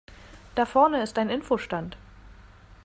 Da vorne ist ein Info-Stand.